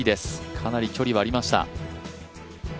かなり距離はありました。